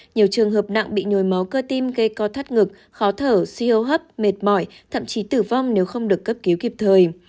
nhiều trường hợp nặng bị nhồi máu cơ tim gây co thắt ngực khó thở suy hô hấp mệt mỏi thậm chí tử vong nếu không được cấp cứu kịp thời